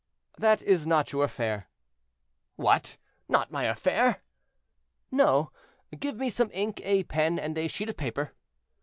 "That is not your affair." "What! not my affair?" "No. Give me some ink, a pen, and a sheet of paper."